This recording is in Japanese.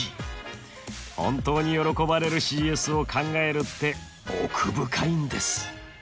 本当に喜ばれるＣＳを考えるって奥深いんです。